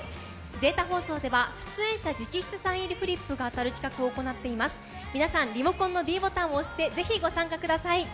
データ放送では出演者直筆サイン入りフリップが当たる企画を行っているので皆さんリモコンのｄボタンを押してぜひご参加ください。